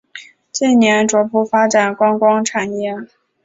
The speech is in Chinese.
近年逐步发展观光产业。